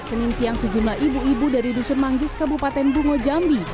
senin siang sejumlah ibu ibu dari dusun manggis kabupaten bungo jambi